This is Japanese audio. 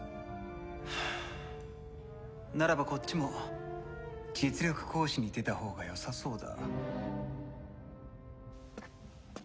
ならばこっちも実力行使に出たほうがよさそうだ。